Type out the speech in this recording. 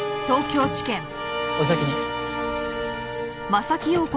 お先に。